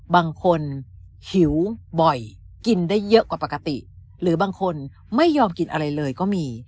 บางคนหิวบ่อยกินได้เยอะกว่าปกติหรือบางคนไม่ยอมกินอะไรเลยก็มี